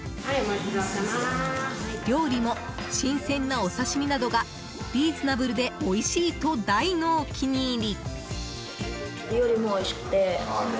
料理も新鮮なお刺身などがリーズナブルでおいしいと大のお気に入り。